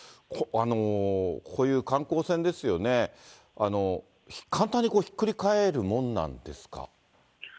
こういう観光船ですよね、簡単にひっくり返るものなんですか。